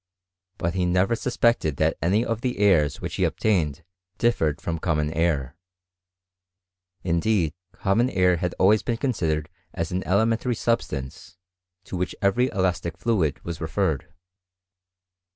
But he never suspected that any of the airs which he obtained differed from common air. Indeed common air had always been considered as an elementary substance to z2 »\ MO msTORT OF cHEMinnr. H which every elastic fluid was referred.